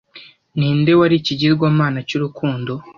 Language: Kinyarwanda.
Ninde wari ikigirwamana cy'urukundo